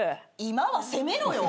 今は責めろよ。